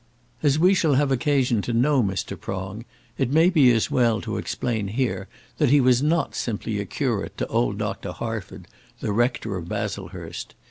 As we shall have occasion to know Mr. Prong it may be as well to explain here that he was not simply a curate to old Dr. Harford, the rector of Baslehurst.